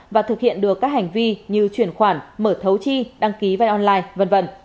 và thực hiện được các hành vi như chuyển khoản mở thấu chi đăng ký vay online v v